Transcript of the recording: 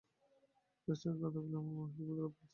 যার সঙ্গেই কথা বলি আমার মনে হয় সে ঠিকমতো কথা বলছে না।